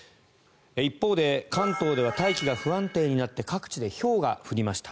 一方で関東では大気が不安定になって各地でひょうが降りました。